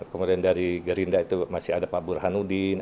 kemudian dari gerindra itu masih ada pak burhanuddin